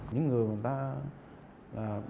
những người người ta